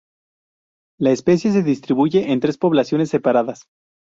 La especie se distribuye en tres poblaciones separadas.